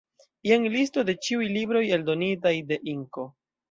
Jen listo de ĉiuj libroj eldonitaj de Inko.